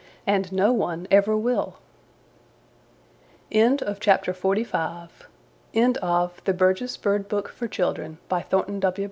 And no one ever will. End of the Project Gutenberg EBook of The Burgess Bird Book for Children, by Thornton W.